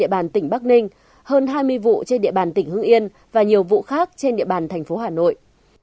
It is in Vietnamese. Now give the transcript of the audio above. địa bàn tỉnh bắc ninh hơn hai mươi vụ trên địa bàn tỉnh hương yên và nhiều vụ khác trên địa bàn thành phố hà nội